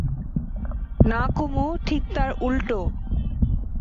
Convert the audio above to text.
না কুমু, ঠিক তার উলটো।